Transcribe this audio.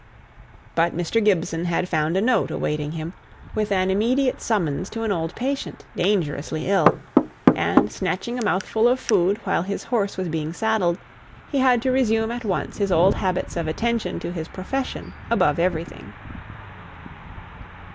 But Mr. Gibson had found a note awaiting him, with an immediate summons to an old patient, dangerously ill; and, snatching a mouthful of food while his horse was being saddled, he had to resume at once his old habits of attention to his profession above everything.